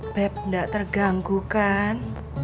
beb gak terganggu kan